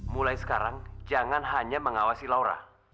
mulai sekarang jangan hanya mengawasi laura